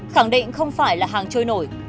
khẳng định không phải là hàng chơi nổi